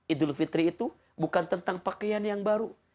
idul fitri itu bukan tentang pakaian yang baru